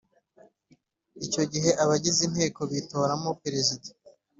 Icyo gihe abagize Inteko bitoramo Perezida